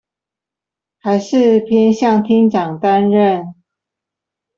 還是偏向廳長擔任